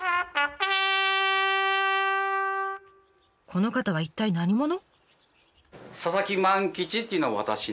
この方は一体何者？